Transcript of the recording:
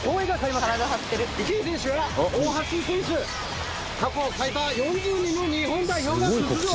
池江選手や大橋選手過去最多４０人の日本代表が出場！